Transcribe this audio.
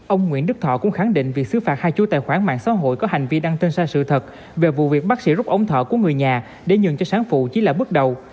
ông nguyễn đức thọ cũng khẳng định việc xứ phạt hai chú tài khoản mạng xã hội có hành vi đăng tin sai sự thật về vụ việc bác sĩ rút ống thở của người nhà để nhường cho sáng phụ chỉ là bước đầu